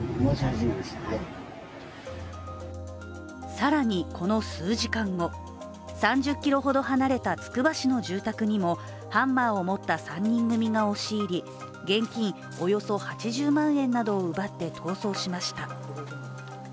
更にこの数時間後、３０ｋｍほど離れたつくば市の住宅にもハンマーを持った３人組が押し入り現金およそ８０万円などを奪って逃走しました。